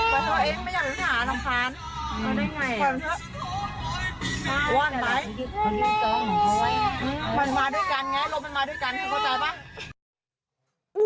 มันมาด้วยกันไงรถมันมาด้วยกันเธอเข้าใจป่ะ